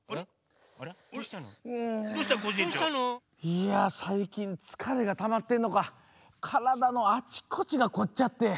いやさいきんつかれがたまってるのかからだのあちこちがこっちゃって。